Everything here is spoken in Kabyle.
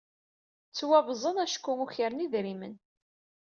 Ttwabẓen acku ukren idrimen.